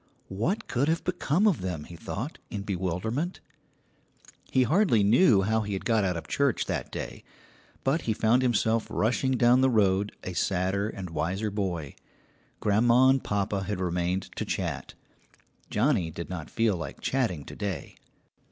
What could have become of them, he thought, in bewilderment. He hardly knew how he got out of the church that day, but he found himself rushing down the road a sadder and a wiser boy. Grandma and papa had remained to chat. Johnnie did not feel like chatting to day.